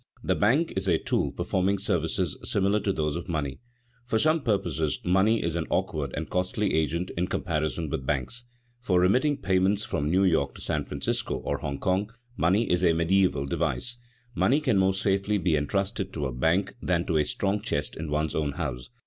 The bank is a tool performing services similar to those of money. For some purposes money is an awkward and costly agent in comparison with banks. For remitting payments from New York to San Francisco or Hong Kong, money is a medieval device. Money can more safely be entrusted to a bank than to a strong chest in one's own house.